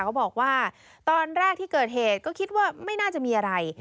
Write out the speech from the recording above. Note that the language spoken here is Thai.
เขาบอกว่าตอนแรกที่เกิดเหตุก็คิดว่าไม่น่าจะมีอะไร